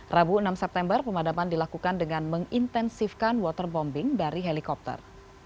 rabu enam september pemadaman dilakukan dengan mengintensifkan waterbombing dari helikopter